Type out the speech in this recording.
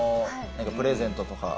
プレゼントとか。